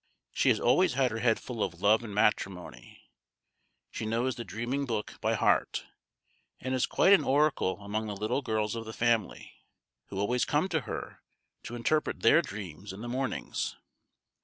She has always had her head full of love and matrimony, she knows the dreaming book by heart, and is quite an oracle among the little girls of the family, who always come to her to interpret their dreams in the mornings.